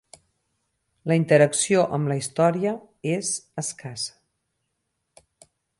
La interacció amb la història és escassa.